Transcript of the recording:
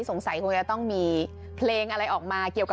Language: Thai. โดนโรงคนไทยใส่หน้ากากอนามัยป้องกันโควิด๑๙กันอีกแล้วค่ะ